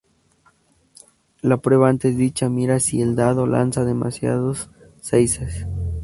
La prueba antes dicha mira si el dado lanza demasiados seises.